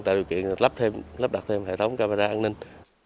tạo điều kiện lắp đặt thêm hệ thống camera an ninh